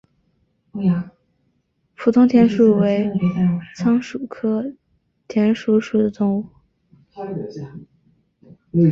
普通田鼠为仓鼠科田鼠属的动物。